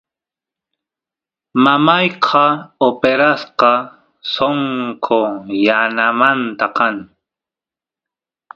mamayqa operasqa sonqo yanamanta kan